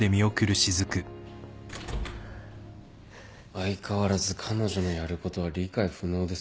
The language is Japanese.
相変わらず彼女のやることは理解不能です。